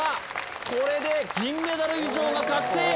これで銀メダル以上が確定！